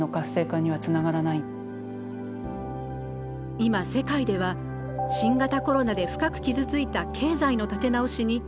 今世界では新型コロナで深く傷ついた経済の立て直しに乾杯！